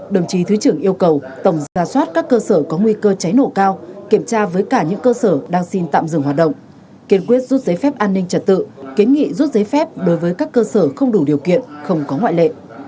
đồng chí thứ trưởng yêu cầu tổng ra soát các cơ sở có nguy cơ cháy nổ cao kiểm tra với cả những cơ sở đang xin tạm dừng hoạt động kiên quyết rút giấy phép an ninh trật tự kiến nghị rút giấy phép đối với các cơ sở không đủ điều kiện không có ngoại lệ